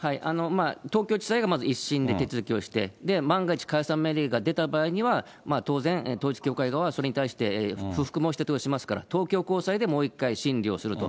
東京地裁がまず１審で手続きをして、万が一、解散命令が出た場合には、当然、統一教会側はそれに対して不服申し立てをしますから、東京高裁でもう１回審理をすると。